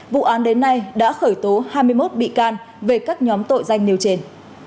vụ án đến nay đã khởi tố hai mươi một bị can về các nhóm tội danh nêu trên